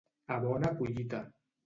A bona collita.